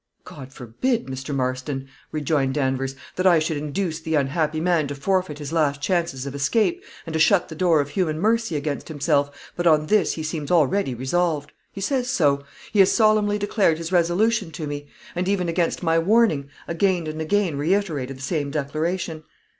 "God forbid, Mr. Marston," rejoined Danvers, "that I should induce the unhappy man to forfeit his last chances of escape, and to shut the door of human mercy against himself, but on this he seems already resolved; he says so; he has solemnly declared his resolution to me; and even against my warning, again and again reiterated the same declaration."